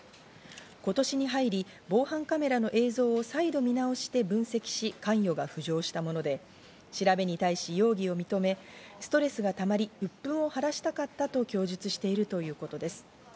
今年に入り防犯カメラの映像を再度見直して分析し関与が浮上したもので、調べに対し容疑を認め、ストレスがたまり鬱憤を晴らしたかったと供述しているということです。